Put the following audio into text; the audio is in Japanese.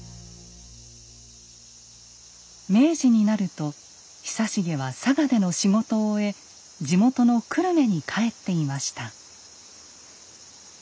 明治になると久重は佐賀での仕事を終え地元の久留米に帰っていました。